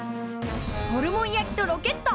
ホルモン焼きとロケット。